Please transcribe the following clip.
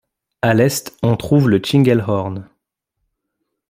À l'est on trouve le Tschingelhorn.